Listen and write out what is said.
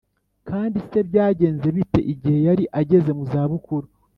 kandi se byagenze bite igihe yari ageze mu za bukuru